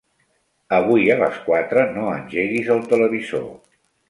Avui a les quatre no engeguis el televisor.